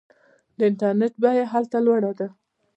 د انټرنیټ بیه هلته لوړه ده.